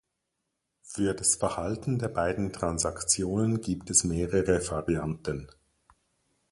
Für das Verhalten der beiden Transaktionen gibt es mehrere Varianten.